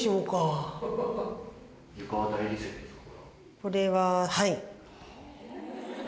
これははい。